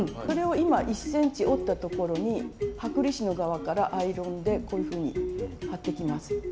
これを今１ｃｍ折ったところに剥離紙の側からアイロンでこういうふうに貼っていきます。